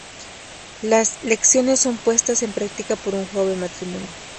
Las lecciones son puestas en práctica por un joven matrimonio.